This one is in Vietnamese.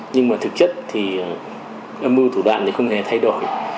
nhưng mà thực chất thì âm mưu thủ đoạn thì không hề thay đổi